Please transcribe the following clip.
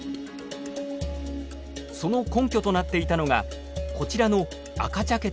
その根拠となっていたのがこちらの赤茶けた地層。